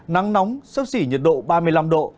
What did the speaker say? nắng nóng sấp xỉ nhiệt độ ba mươi năm độ